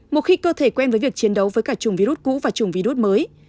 một khi cơ thể quen với việc chiến đấu với cả chủng virus cũ và chủng virus mới